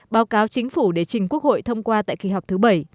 báo cáo chính phủ để trình quốc hội thông qua tại kỳ họp thứ bảy